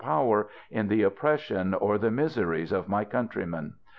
power in the oppression or the miseries of my countrymen.